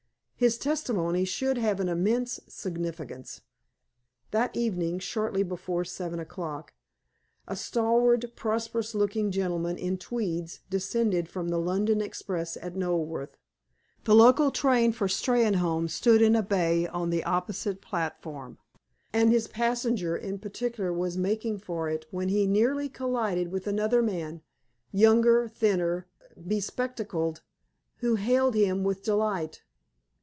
His testimony should have an immense significance. That evening, shortly before seven o'clock, a stalwart, prosperous looking gentleman in tweeds "descended" from the London express at Knoleworth. The local train for Steynholme stood in a bay on the opposite platform, and this passenger in particular was making for it when he nearly collided with another man, younger, thinner, bespectacled, who hailed him with delight.